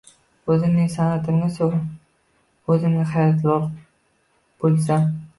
O’zimning san’atimga so’ng o’zim hayratda lol bo’lsam.